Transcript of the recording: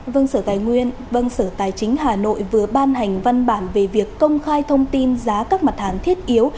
vân sở tài nguyên vân sở tài chính hà nội vừa ban hành văn bản về việc công khai thông tin giá các mặt hàn thiết yếu